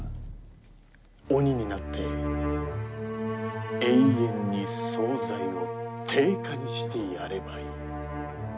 鬼になって永遠に総菜を定価にしてやればいい。